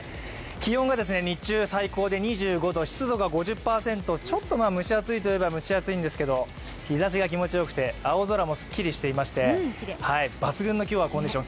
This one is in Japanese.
気温が日中は最高で２５度、湿度が５０％、ちょっと蒸し暑いといえば蒸し暑いんですけど、日ざしが気持ちよくて青空もすっきりしてまして今日は抜群のコンディション。